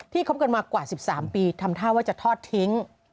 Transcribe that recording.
คบกันมากว่า๑๓ปีทำท่าว่าจะทอดทิ้ง